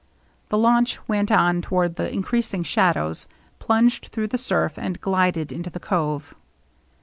The launch went on toward the increasing shadows, plunged through the surf, and glided into the cove.